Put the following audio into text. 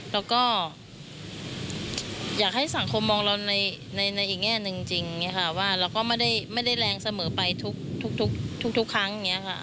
แล้วก็อยากให้สังคมมองเราในอีกแง่หนึ่งจริงว่าเราก็ไม่ได้แรงเสมอไปทุกครั้งอย่างนี้ค่ะ